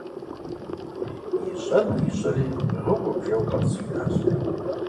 Ищӏэнур ищӏэри гъыуэ-бжэуэ къэтӏысыжащ.